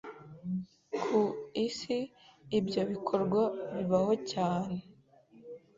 ku Isi ibyo bikorwa bibaho cyane